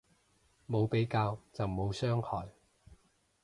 冇比較就冇傷害